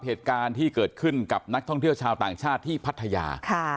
เหตุการณ์ที่เกิดขึ้นกับนักท่องเที่ยวชาวต่างชาติที่พัทยา